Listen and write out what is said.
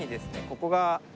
ここが。